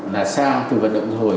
là sang từ vật động thu hồi